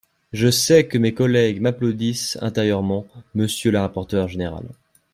Je sais que mes collègues m’applaudissent intérieurement, monsieur le rapporteur général